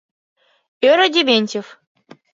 — ӧрӧ Дементьев.